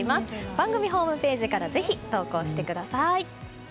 番組ホームページからぜひ、投稿してください。